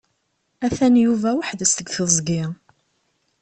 Atan Yuba weḥd-s deg teẓgi.